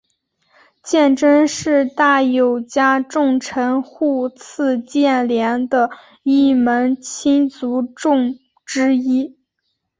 鉴贞是大友家重臣户次鉴连的一门亲族众之一。